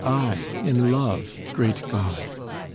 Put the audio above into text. "I, in love! Great God!"